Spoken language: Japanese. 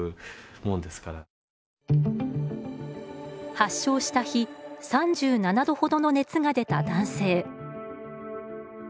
発症した日３７度ほどの熱が出た男性。